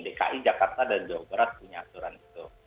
dki jakarta dan jawa barat punya aturan itu